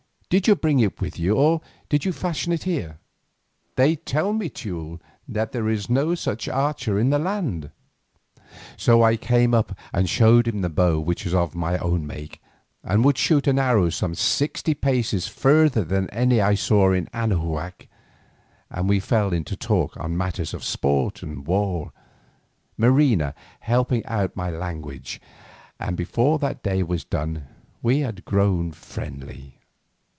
Did you bring it with you or did you fashion it here? They tell me, Teule, that there is no such archer in the land." So I came up and showed him the bow which was of my own make, and would shoot an arrow some sixty paces further than any that I saw in Anahuac, and we fell into talk on matters of sport and war, Marina helping out my want of language, and before that day was done we had grown friendly.